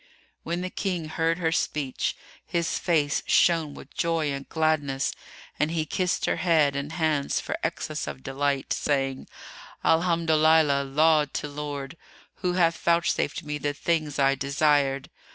When the King heard her speech, his face shone with joy and gladness and he kissed her head and hands for excess of delight, saying, "Alhamdolillah—laud to Lord—who hath vouchsafed me the things I desired!